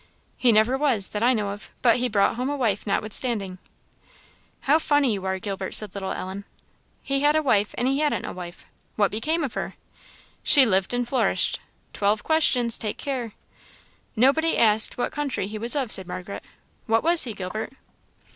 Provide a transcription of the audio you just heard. "He never was, that I know of; but he brought home a wife notwithstanding." "But how funny you are, Gilbert!" said little Ellen. "He had a wife and he hadn't a wife: what became of her?" "She lived and flourished. Twelve questions: take care." "Nobody asked what country he was of," said Margaret, "what was he, Gilbert?"